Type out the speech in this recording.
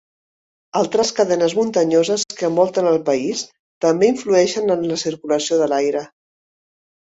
Altres cadenes muntanyoses que envolten el país també influeixen en la circulació de l'aire.